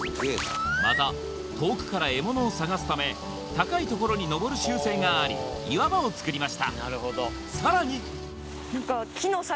また遠くから獲物を探すため高いところに登る習性があり岩場をつくりました